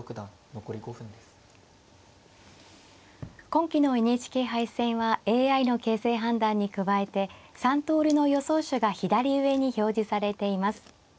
今期のＮＨＫ杯戦はＡＩの形勢判断に加えて３通りの予想手が左上に表示されています。